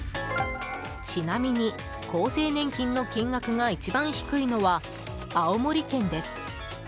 ちなみに、厚生年金の金額が一番低いのは青森県です。